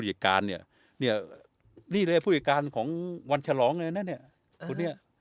เอกการเนี้ยเนี้ยนี่เลยผู้เอกการของวันฉลองเลยนะเนี้ยคุณเนี้ย